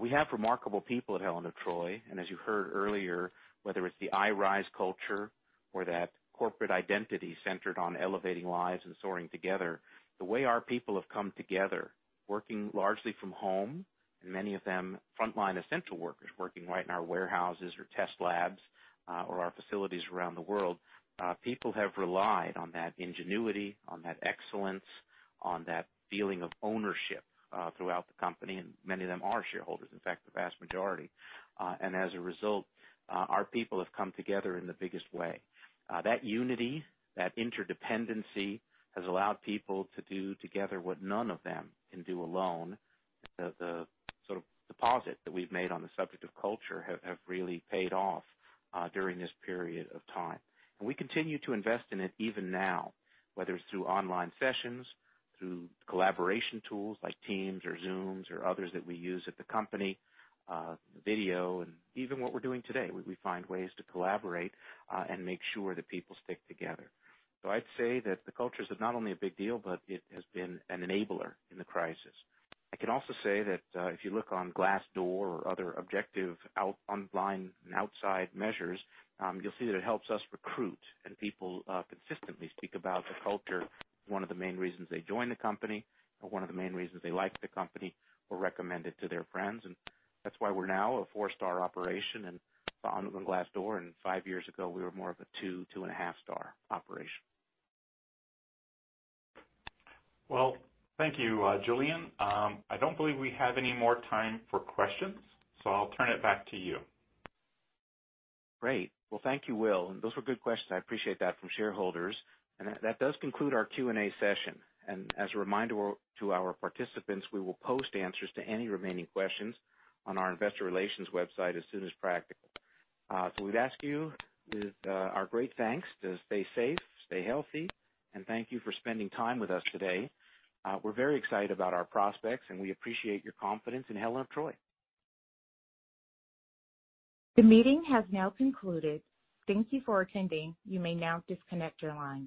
We have remarkable people at Helen of Troy, and as you heard earlier, whether it's the IRISE culture or that corporate identity centered on elevating lives and soaring together, the way our people have come together, working largely from home, and many of them frontline essential workers working right in our warehouses or test labs or our facilities around the world. People have relied on that ingenuity, on that excellence, on that feeling of ownership throughout the company, and many of them are shareholders, in fact, the vast majority. As a result, our people have come together in the biggest way. That unity, that interdependency has allowed people to do together what none of them can do alone. The sort of deposit that we've made on the subject of culture have really paid off during this period of time. We continue to invest in it even now, whether it's through online sessions, through collaboration tools like Teams or Zooms or others that we use at the company, video, and even what we're doing today. We find ways to collaborate and make sure that people stick together. I'd say that the culture is not only a big deal, but it has been an enabler in the crisis. I can also say that if you look on Glassdoor or other objective online and outside measures, you'll see that it helps us recruit, and people consistently speak about the culture, one of the main reasons they join the company or one of the main reasons they like the company or recommend it to their friends. That's why we're now a four-star operation on Glassdoor, and five years ago, we were more of a 2, 2.5 star operation. Well, thank you, Julien. I don't believe we have any more time for questions. I'll turn it back to you. Great. Well, thank you, Will, those were good questions, I appreciate that, from shareholders. That does conclude our Q&A session. As a reminder to our participants, we will post answers to any remaining questions on our investor relations website as soon as practical. We'd ask you, with our great thanks, to stay safe, stay healthy, and thank you for spending time with us today. We're very excited about our prospects, and we appreciate your confidence in Helen of Troy. The meeting has now concluded. Thank you for attending. You may now disconnect your line.